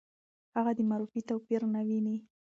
هغه د مورفي توپیر نه ویني.